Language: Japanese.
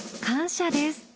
感謝です。